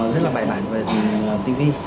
rất là bài bản về tình vi